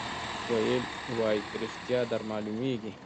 ویل وایه که ریشتیا در معلومیږي